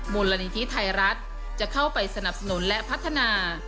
มูลนิธิไทยรัฐจะเข้าไปสนับสนุนและพัฒนา